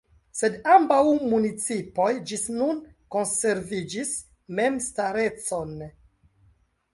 Sed ambaŭ municipoj ĝis nun konserviĝis memstarecon.